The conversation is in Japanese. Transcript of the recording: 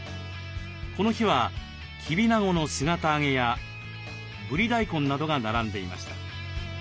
この日はキビナゴの姿揚げやブリ大根などが並んでいました。